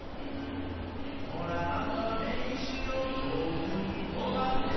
「もらった名刺を遠くに飛ばすと」